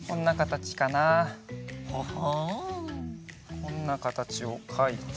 こんなかたちをかいて。